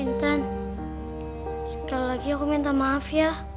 intan sekali lagi aku minta maaf ya